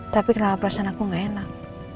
tapi kenapa perasaan aku gak enak